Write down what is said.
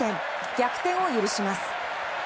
逆転を許します。